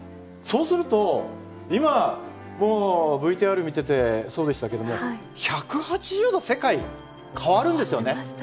そうすると今のＶＴＲ見ててそうでしたけども１８０度世界変わるんですよね。